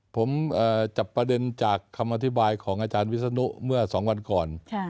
ผมจับประเด็นจากคำอธิบายของอาจารย์วิศนุเมื่อ๒วันก่อน